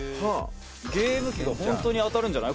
「ゲーム機が本当に当たるんじゃない？」